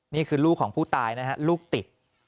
นี่คือลูกของผู้ตายนะฮะลูกติด